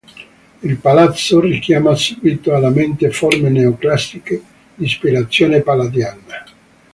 Il palazzo richiama subito alla mente forme neoclassiche, di ispirazione Palladiana.